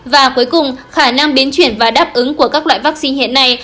và cuối cùng khả năng biến chuyển và đáp ứng của các loại vaccine hiện nay